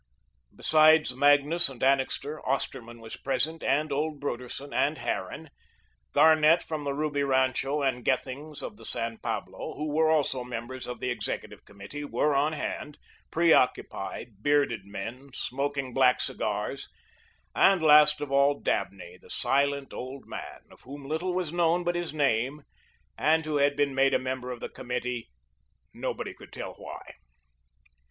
Besides Magnus and Annixter, Osterman was present, and old Broderson and Harran; Garnet from the Ruby Rancho and Gethings of the San Pablo, who were also members of the Executive Committee, were on hand, preoccupied, bearded men, smoking black cigars, and, last of all, Dabney, the silent old man, of whom little was known but his name, and who had been made a member of the Committee, nobody could tell why.